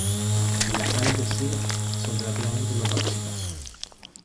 Las sales de cinc son relativamente no tóxicas.